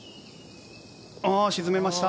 沈めました。